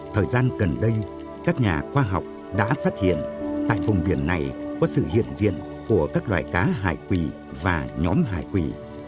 thời gian gần đây các nhà khoa học đã phát hiện tại vùng biển này có sự hiện diện của các loài cá hải quỳ và nhóm hải quỳ